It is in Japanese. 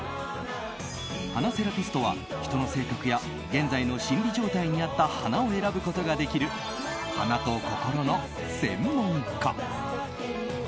花セラピストは人の性格や現在の心理状態に合った花を選ぶことができる花と心の専門家。